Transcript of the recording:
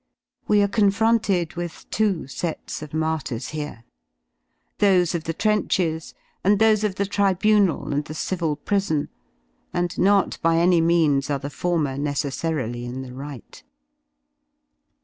We are con 1 fronted with two sets of martyrs here : those of the trenches, i and those of the tribunal and the civil prison, and not by Lany means are the former necessarily in the right.